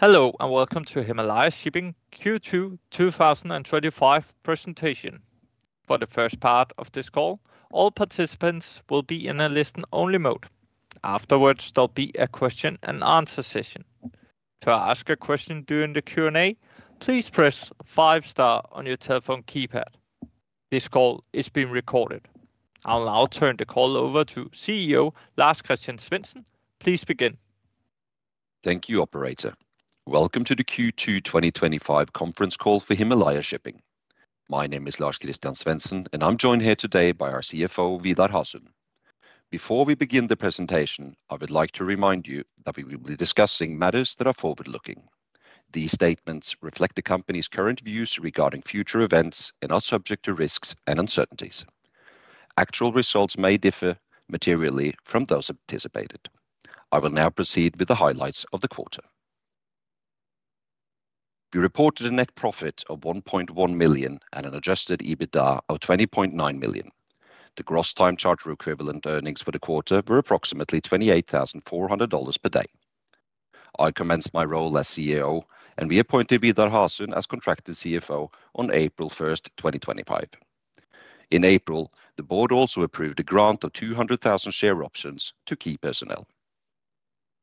Hello and welcome to Himalaya Shipping Q2 2025 Presentation. For the first part of this call, all participants will be in a listen-only mode. Afterwards, there will be a question and answer session. To ask a question during the Q&A, please press five star on your telephone keypad. This call is being recorded. I'll now turn the call over to CEO Lars-Christian Svensen. Please begin. Thank you, operator. Welcome to the Q2 2025 Conference Call for Himalaya Shipping. My name is Lars-Christian Svensen, and I'm joined here today by our CFO, Vidar Hasund. Before we begin the presentation, I would like to remind you that we will be discussing matters that are forward-looking. These statements reflect the company's current views regarding future events and are subject to risks and uncertainties. Actual results may differ materially from those anticipated. I will now proceed with the highlights of the quarter. We reported a net profit of $1.1 million and an adjusted EBITDA of $20.9 million. The gross time charter equivalent earnings for the quarter were approximately $28,400 per day. I commenced my role as CEO and reappointed Vidar Hasund as Contractor CFO on April 1, 2025. In April, the Board also approved a grant of 200,000 share options to key personnel.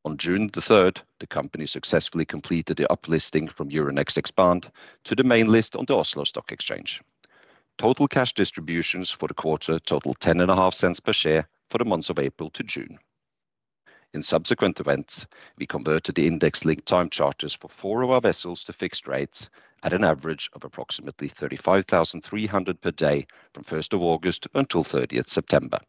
On June 3rd, the company successfully completed the uplisting from Euronext Expand to the main list on the Oslo Stock Exchange. Total cash distributions for the quarter totaled $0.105 per share for the months of April to June. In subsequent events, we converted the index-linked time charters for four of our vessels to fixed rates at an average of approximately $35,300 per day from August 1st untill 30th September.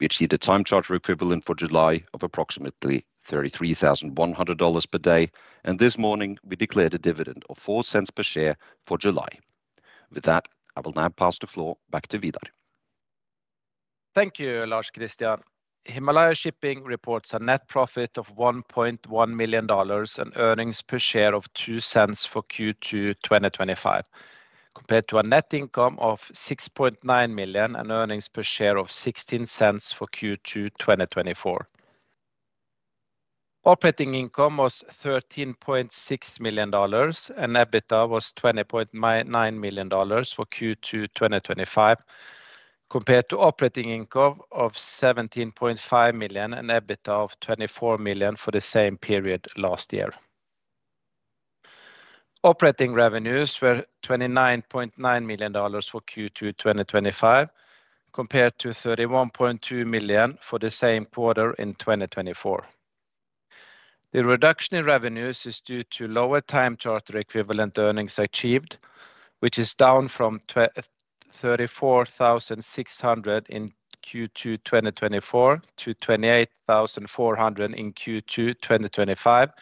We achieved a time charter equivalent for July of approximately $33,100 per day, and this morning we declared a dividend of $0.04 per share for July. With that, I will now pass the floor back to Vidar. Thank you, Lars-Christian. Himalaya Shipping reports a net profit of $1.1 million and earnings per share of $0.02 for Q2 2025, compared to a net income of $6.9 million and earnings per share of $0.16 for Q2 2024. Operating income was $13.6 million and EBITDA was $20.9 million for Q2 2025, compared to operating income of $17.5 million and EBITDA of $24 million for the same period last year. Operating revenues were $29.9 million for Q2 2025, compared to $31.2 million for the same quarter in 2024. The reduction in revenues is due to lower time charter equivalent earnings achieved, which is down from $34,600 in Q2 2024 to $28,400 in Q2 2025,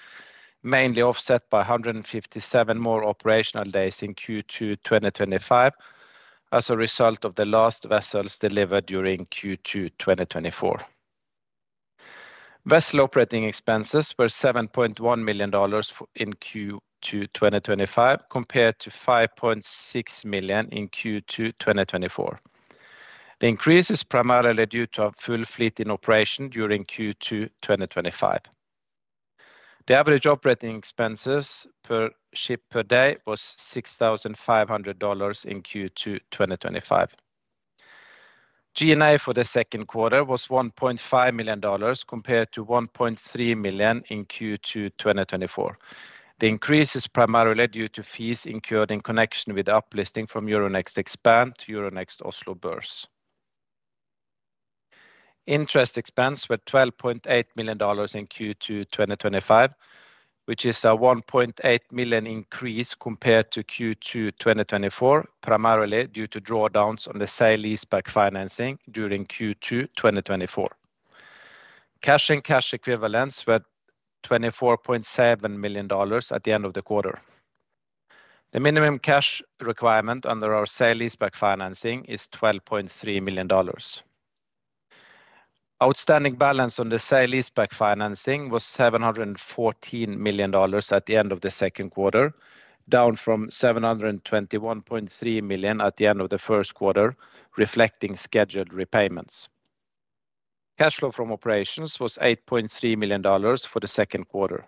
mainly offset by 157 more operational days in Q2 2025 as a result of the last vessels delivered during Q2 2024. Vessel operating expenses were $7.1 million in Q2 2025, compared to $5.6 million in Q2 2024. The increase is primarily due to a full fleet in operation during Q2 2025. The average operating expenses per ship per day was $6,500 in Q2 2025. G&A for the second quarter was $1.5 million, compared to $1.3 million in Q2 2024. The increase is primarily due to fees incurred in connection with the uplisting from Euronext Expand to Oslo Stock Exchange. Interest expense was $12.8 million in Q2 2025, which is a $1.8 million increase compared to Q2 2024, primarily due to drawdowns on the sale leaseback financing during Q2 2024. Cash and cash equivalents were $24.7 million at the end of the quarter. The minimum cash requirement under our sale leaseback financing is $12.3 million. Outstanding balance on the sale leaseback financing was $714 million at the end of the second quarter, down from $721.3 million at the end of the first quarter, reflecting scheduled repayments. Cash flow from operations was $8.3 million for the second quarter.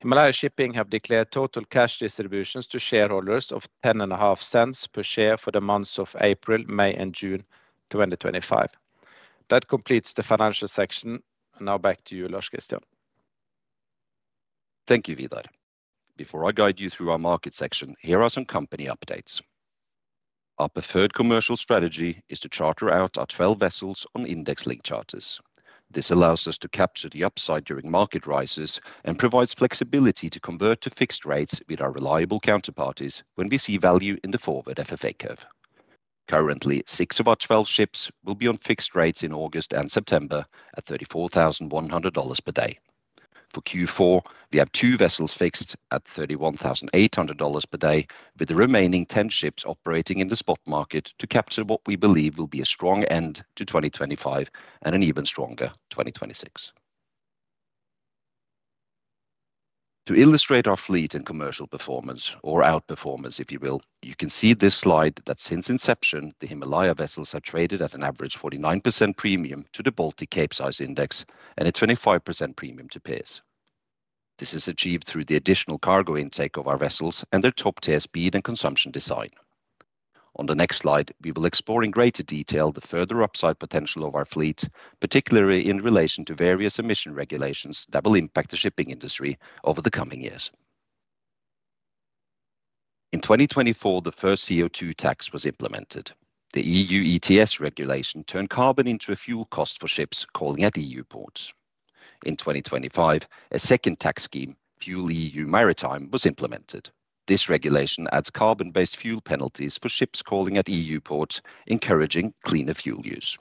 Himalaya Shipping has declared total cash distributions to shareholders of $0.105 per share for the months of April, May, and June 2025. That completes the financial section. Now back to you, Lars-Christian. Thank you, Vidar. Before I guide you through our market section, here are some company updates. Our preferred commercial strategy is to charter out our 12 vessels on index-linked charters. This allows us to capture the upside during market rises and provides flexibility to convert to fixed rates with our reliable counterparties when we see value in the forward FFA curve. Currently, six of our 12 ships will be on fixed rates in August and September at $34,100 per day. For Q4, we had two vessels fixed at $31,800 per day, with the remaining 10 ships operating in the spot market to capture what we believe will be a strong end to 2025 and an even stronger 2026. To illustrate our fleet and commercial performance, or outperformance if you will, you can see this slide that since inception, the Himalaya vessels have traded at an average 49% premium to the Baltic Capesize index and a 25% premium to peers. This is achieved through the additional cargo intake of our vessels and their top-tier speed and consumption design. On the next slide, we will explore in greater detail the further upside potential of our fleet, particularly in relation to various emission regulations that will impact the shipping industry over the coming years. In 2024, the first CO2 tax was implemented. The EU ETS regulation turned carbon into a fuel cost for ships calling at EU ports. In 2025, a second tax scheme, FuelEU Maritime, was implemented. This regulation adds carbon-based fuel penalties for ships calling at EU ports, encouraging cleaner fuel use.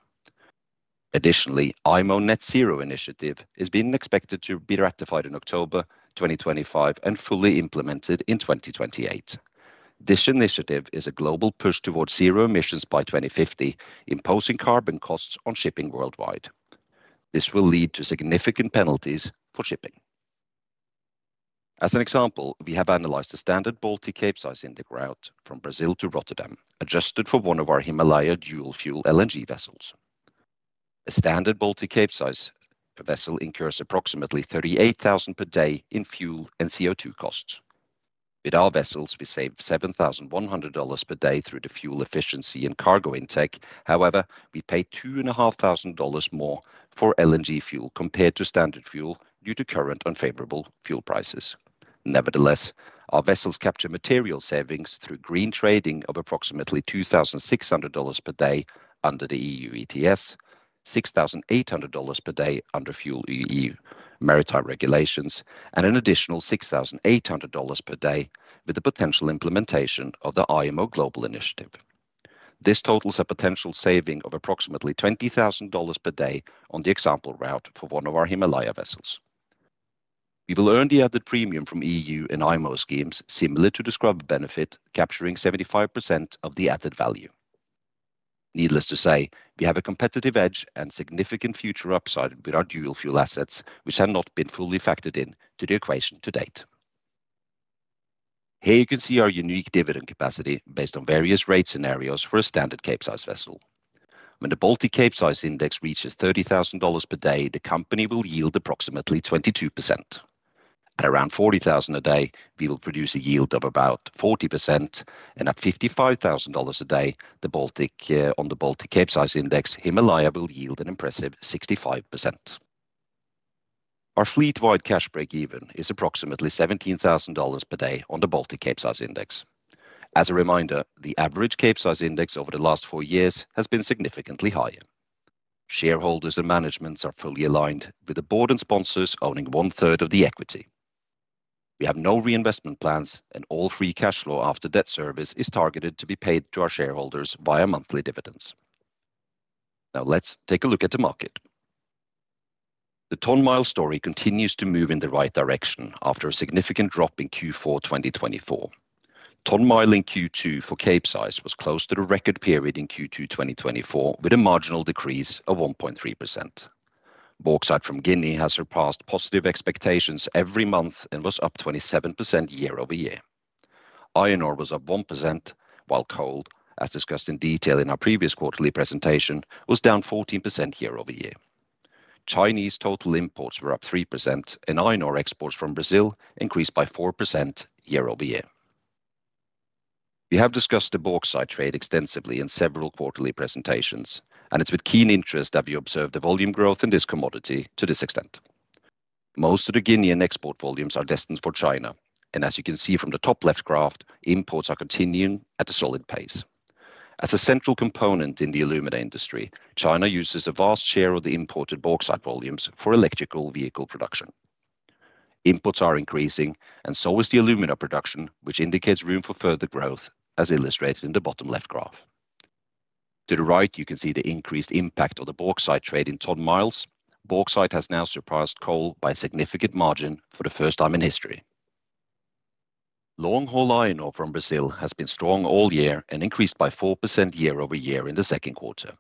Additionally, the IMO Net Zero initiative has been expected to be ratified in October 2025 and fully implemented in 2028. This initiative is a global push towards zero emissions by 2050, imposing carbon costs on shipping worldwide. This will lead to significant penalties for shipping. As an example, we have analyzed the standard Baltic Capesize intake route from Brazil to Rotterdam, adjusted for one of our Himalaya dual-fuel LNG vessels. A standard Baltic Capesize vessel incurs approximately $38,000 per day in fuel and CO2 costs. With our vessels, we save $7,100 per day through the fuel efficiency and cargo intake; however, we pay $2,500 more for LNG fuel compared to standard fuel due to current unfavorable fuel prices. Nevertheless, our vessels capture material savings through green trading of approximately $2,600 per day under the EU ETS, $6,800 per day under FuelEU Maritime regulations, and an additional $6,800 per day with the potential implementation of the IMO global initiative. This totals a potential saving of approximately $20,000 per day on the example route for one of our Himalaya vessels. You will earn the added premium from EU and IMO schemes similar to the scrub benefit, capturing 75% of the added value. Needless to say, we have a competitive edge and significant future upside with our dual-fuel assets, which have not been fully factored into the equation to date. Here you can see our unique dividend capacity based on various rate scenarios for a standard Capesize vessel. When the Baltic Capesize index reaches $30,000 per day, the company will yield approximately 22%. At around $40,000 a day, we will produce a yield of about 40%, and at $55,000 a day on the Baltic Capesize index, Himalaya will yield an impressive 65%. Our fleet-wide cash breakeven is approximately $17,000 per day on the Baltic Capesize index. As a reminder, the average Capesize index over the last four years has been significantly higher. Shareholders and management are fully aligned, with the board and sponsors owning 1/3 of the equity. We have no reinvestment plans, and all free cash flow after debt service is targeted to be paid to our shareholders via monthly dividends. Now let's take a look at the market. The ton-mile story continues to move in the right direction after a significant drop in Q4 2024. Ton-mile in Q2 for Capesize was close to the record period in Q2 2024, with a marginal decrease of 1.3%. Bauxite from Guinea has surpassed positive expectations every month and was up 27% year-over-year. Iron ore was up 1%, while coal, as discussed in detail in our previous quarterly presentation, was down 14% year-over-year. Chinese total imports were up 3%, and iron ore exports from Brazil increased by 4% year-over-year. We have discussed the bauxite trade extensively in several quarterly presentations, and it's with keen interest that we observe the volume growth in this commodity to this extent. Most of the Guinean export volumes are destined for China, and as you can see from the top left graph, imports are continuing at a solid pace. As a central component in the alumina industry, China uses a vast share of the imported bauxite volumes for electrical vehicle production. Inputs are increasing, and so is the alumina production, which indicates room for further growth, as illustrated in the bottom left graph. To the right, you can see the increased impact of the bauxite trade in ton miles. Bauxite has now surpassed coal by a significant margin for the first time in history. Long haul iron ore from Brazil has been strong all year and increased by 4% year-over-year in the second quarter.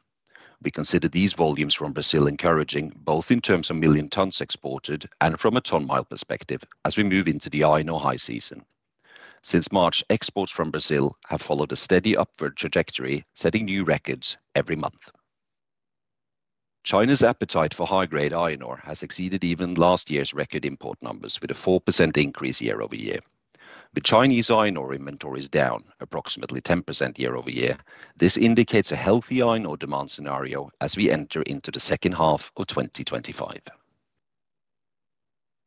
We consider these volumes from Brazil encouraging, both in terms of million tons exported and from a ton mile perspective, as we move into the iron ore high season. Since March, exports from Brazil have followed a steady upward trajectory, setting new records every month. China's appetite for high-grade iron ore has exceeded even last year's record import numbers, with a 4% increase year-over-year. With Chinese iron ore inventories down approximately 10% year-over-year, this indicates a healthy iron ore demand scenario as we enter into the second half of 2025.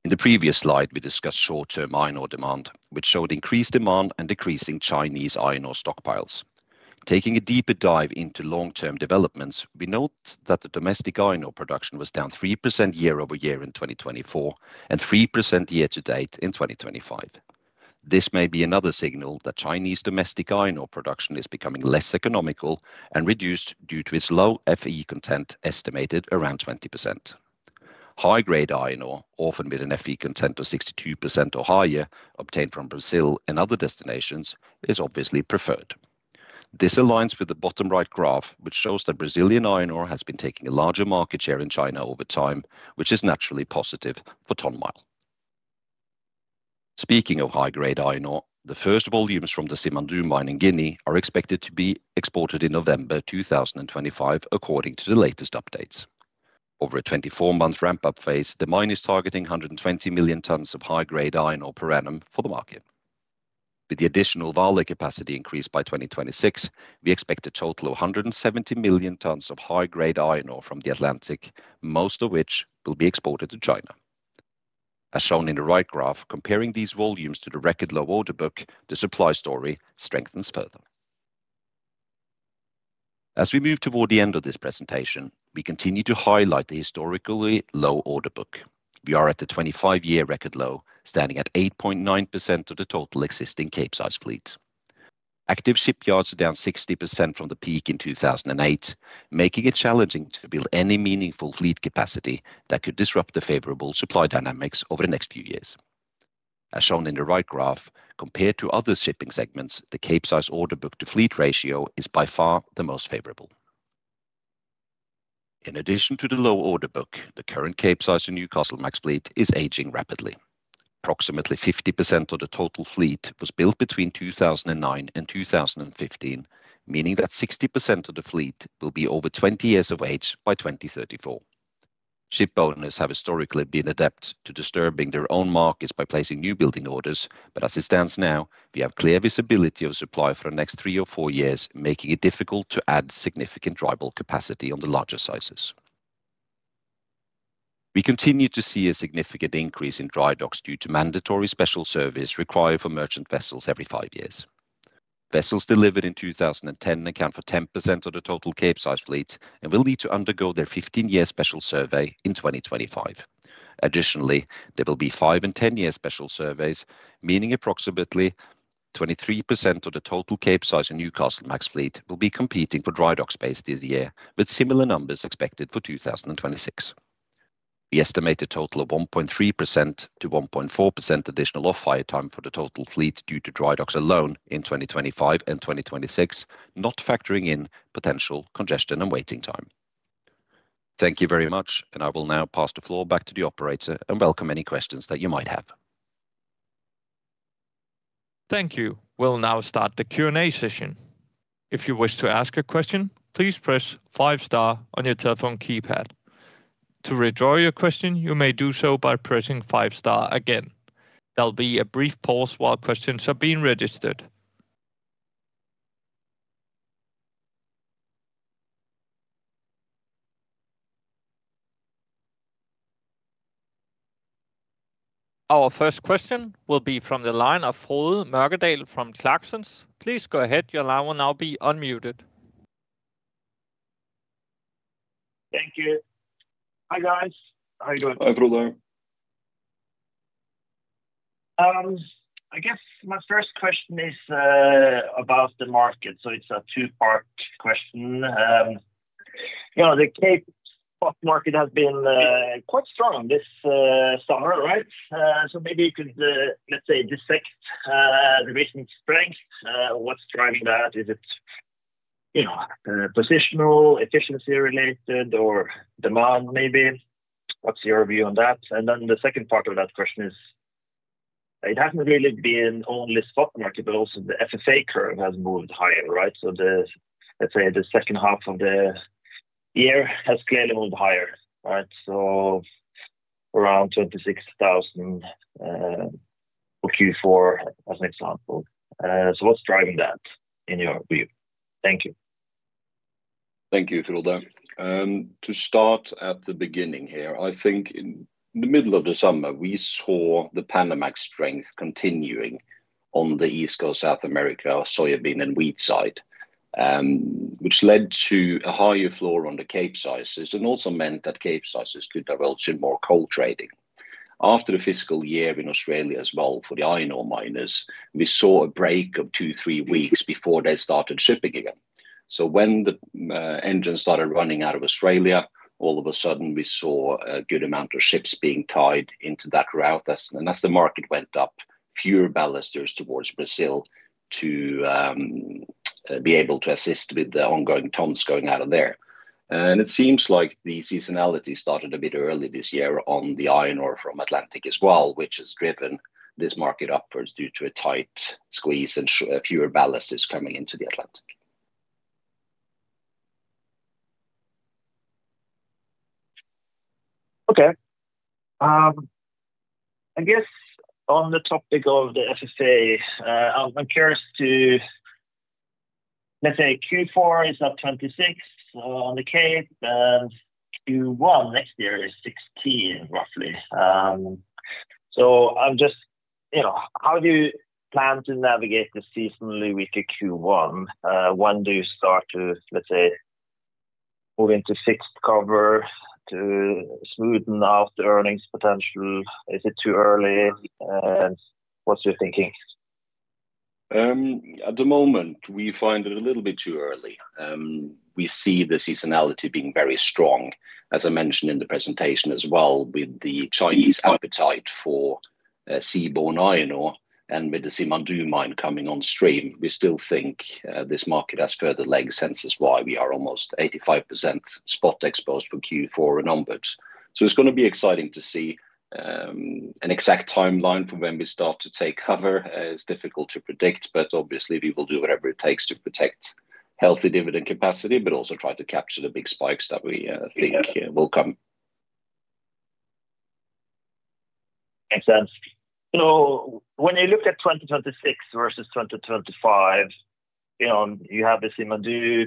In the previous slide, we discussed short-term iron ore demand, which showed increased demand and decreasing Chinese iron ore stockpiles. Taking a deeper dive into long-term developments, we note that the domestic iron ore production was down 3% year-over-year in 2024 and 3% year to date in 2025. This may be another signal that Chinese domestic iron ore production is becoming less economical and reduced due to its low FEE content estimated around 20%. High-grade iron ore, often with an FEE content of 62% or higher, obtained from Brazil and other destinations, is obviously preferred. This aligns with the bottom right graph, which shows that Brazilian iron ore has been taking a larger market share in China over time, which is naturally positive for ton mile. Speaking of high-grade iron ore, the first volumes from the Simandou mine in Guinea are expected to be exported in November 2025, according to the latest updates. Over a 24-month ramp-up phase, the mine is targeting 120 million tons of high-grade iron ore per annum for the market. With the additional Vale capacity increased by 2026, we expect a total of 170 million tons of high-grade iron ore from the Atlantic, most of which will be exported to China. As shown in the right graph, comparing these volumes to the record low order book, the supply story strengthens further. As we move toward the end of this presentation, we continue to highlight the historically low order book. We are at the 25-year record low, standing at 8.9% of the total existing Capesize fleet. Active shipyards are down 60% from the peak in 2008, making it challenging to build any meaningful fleet capacity that could disrupt the favorable supply dynamics over the next few years. As shown in the right graph, compared to other shipping segments, the Capesize order book to fleet ratio is by far the most favorable. In addition to the low order book, the current Capesize and Newcastlemax fleet is aging rapidly. Approximately 50% of the total fleet was built between 2009 and 2015, meaning that 60% of the fleet will be over 20 years of age by 2034. Shipowners have historically been adept at disturbing their own markets by placing new building orders, but as it stands now, we have clear visibility of supply for the next three or four years, making it difficult to add significant dry bulk capacity on the larger sizes. We continue to see a significant increase in dry docks due to mandatory special surveys required for merchant vessels every five years. Vessels delivered in 2010 account for 10% of the total Capesize fleet and will need to undergo their 15-year special survey in 2025. Additionally, there will be five and ten-year special surveys, meaning approximately 23% of the total Capesize and Newcastlemax fleet will be competing for dry dock space this year, with similar numbers expected for 2026. The estimated total of 1.3%-1.4% additional off-hire time for the total fleet is due to dry docks alone in 2025 and 2026, not factoring in potential congestion and waiting time. Thank you very much, and I will now pass the floor back to the operator and welcome any questions that you might have. Thank you. We'll now start the Q&A session. If you wish to ask a question, please press five star on your telephone keypad. To withdraw your question, you may do so by pressing five star again. There will be a brief pause while questions are being registered. Our first question will be from the line of Frode Morkedal from Clarksons. Please go ahead, your line will now be unmuted. Thank you. Hi guys, how are you doing? Hi Frode. I guess my first question is about the market, so it's a two-part question. You know, the Capesize spot market has been quite strong this summer, right? Maybe you could, let's say, dissect the recent strength. What's driving that? Is it, you know, positional, efficiency-related, or demand maybe? What's your view on that? The second part of that question is, it hasn't really been only the spot market, but also the FFA curve has moved higher, right? The, let's say, the second half of the year has scaled higher, right? Around $26,000 for Q4 as an example. What's driving that in your view? Thank you. Thank you, Frode. To start at the beginning here, I think in the middle of the summer we saw the Panamax strength continuing on the East Coast, South America, soybean and wheat side, which led to a higher floor on the Capesizes and also meant that Capesizes could divulge in more coal trading. After the fiscal year in Australia as well for the iron ore miners, we saw a break of two, three weeks before they started shipping again. When the engines started running out of Australia, all of a sudden we saw a good amount of ships being tied into that route. As the market went up, fewer ballisters towards Brazil to be able to assist with the ongoing tons going out of there. It seems like the seasonality started a bit early this year on the iron ore from Atlantic as well, which has driven this market upwards due to a tight squeeze and fewer ballisters coming into the Atlantic. Okay. I guess on the topic of the FSA, I'm curious, let's say Q4 is at $26,000 on the Capesize and Q1 next year is $16,000 roughly. I'm just, you know, how do you plan to navigate the seasonally weaker Q1? When do you start to move into fixed cover to smoothen out the earnings potential? Is it too early? What's your thinking? At the moment, we find it a little bit too early. We see the seasonality being very strong, as I mentioned in the presentation as well, with the Chinese appetite for seaborne iron ore and with the Simandou mine coming on stream, we still think this market has further legs. This is why we are almost 85% spot exposed for Q4 and onwards. It is going to be exciting to see an exact timeline for when we start to take cover. It is difficult to predict, but obviously we will do whatever it takes to protect healthy dividend capacity, but also try to capture the big spikes that we think will come. Makes sense. You know, when you look at 2026 versus 2025, you know, you have the Simandou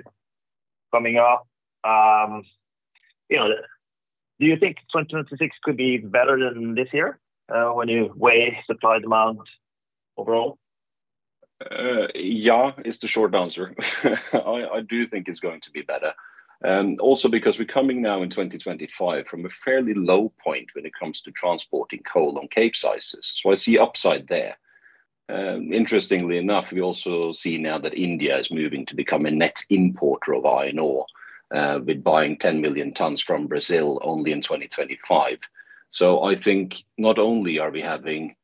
coming up. You know, do you think 2026 could be better than this year when you weigh supply and demand overall? Yeah, it's the short answer. I do think it's going to be better. Also, because we're coming now in 2025 from a fairly low point when it comes to transporting coal on Capesizes, I see upside there. Interestingly enough, we also see now that India is moving to become a net importer of iron ore, with buying 10 million tons from Brazil only in 2025. I think not only are we having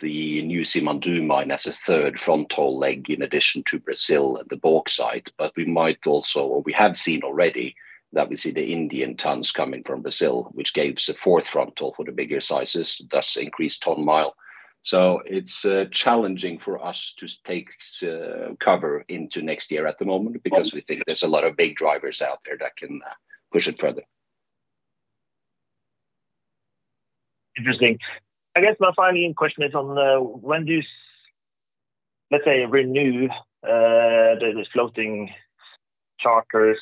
the new Simandou mine as a third frontal leg in addition to Brazil and the bauxite, but we might also, or we have seen already that we see the Indian tons coming from Brazil, which gave us a fourth frontal for the bigger sizes, thus increased ton-mile. It's challenging for us to take cover into next year at the moment because we think there's a lot of big drivers out there that can push it further. Interesting. I guess my final question is on when do you, let's say, renew the floating charters?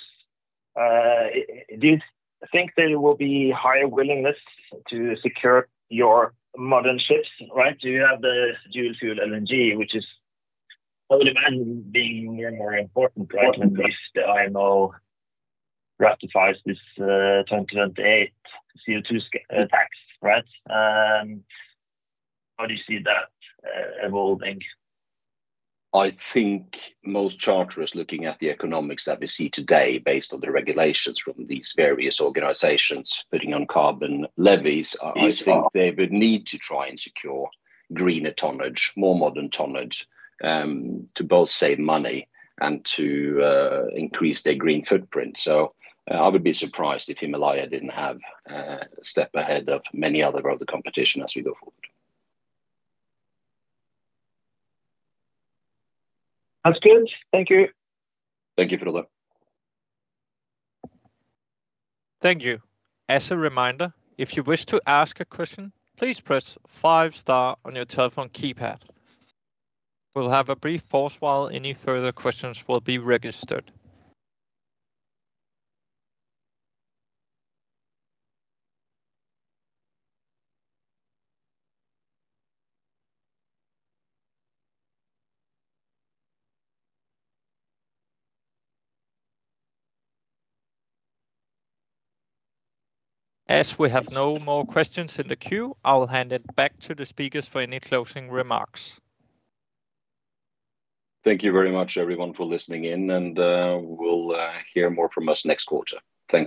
Do you think there will be higher willingness to secure your modern ships, right? You have the dual-fuel LNG, which is probably being more and more important now that this IMO ratifies this 2028 CO2 tax, right? How do you see that evolving? I think most charterers looking at the economics that we see today based on the regulations from these various organizations putting on carbon levies, they would need to try and secure greener tonnage, more modern tonnage, to both save money and to increase their green footprint. I would be surprised if Himalaya didn't have a step ahead of many other of the competition as we go forward. That's good. Thank you. Thank you, Frode. Thank you. As a reminder, if you wish to ask a question, please press five star on your telephone keypad. We'll have a brief pause while any further questions are registered. As we have no more questions in the queue, I'll hand it back to the speakers for any closing remarks. Thank you very much, everyone, for listening in, and we'll hear more from us next quarter. Thank you.